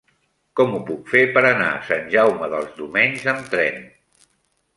Com ho puc fer per anar a Sant Jaume dels Domenys amb tren?